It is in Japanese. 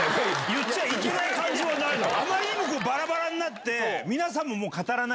言っちゃいけない感じはないだろ。